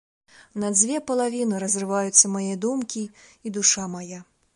На дзве палавіны разрываюцца мае думкі і душа мая.